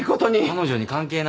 彼女に関係ないよ。